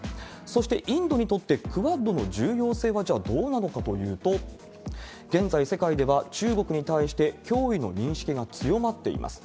そして、インドにとってクアッドの重要性は、じゃあどうなのかというと、現在、世界では中国に対して脅威の認識が強まっています。